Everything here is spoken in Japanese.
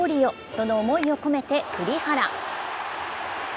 その思いを込めて栗原。